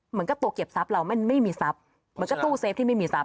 เหมือนกับตัวเก็บทรัพย์เรามันไม่มีทรัพย์มันก็ตู้เซฟที่ไม่มีทรัพย